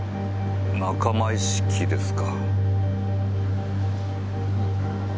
仲間意識ですか。